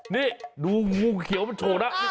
นี่ดูงูเขียวมันโฉกนะ